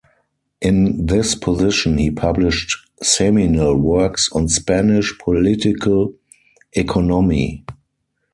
In this position, he published seminal works on Spanish political economy.